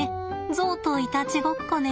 ゾウといたちごっこね。